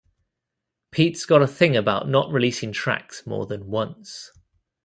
Pete's got a thing about not releasing tracks more than once.